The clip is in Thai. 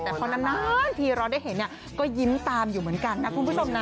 แต่พอนานทีเราได้เห็นก็ยิ้มตามอยู่เหมือนกันนะคุณผู้ชมนะ